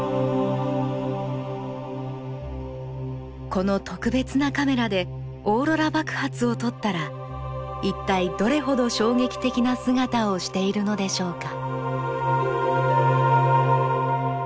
この特別なカメラでオーロラ爆発を撮ったら一体どれほど衝撃的な姿をしているのでしょうか？